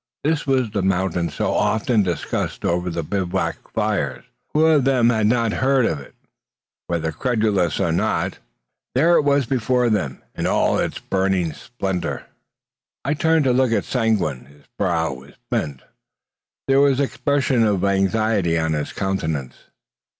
This was the mountain so often discussed over the bivouac fires. Who of them had not heard of it, whether credulous or not? It was no fable, then. There it was before them, in all its burning splendour. I turned to look at Seguin. His brow was bent. There was the expression of anxiety on his countenance.